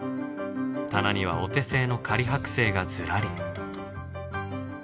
棚にはお手製の仮剥製がずらり。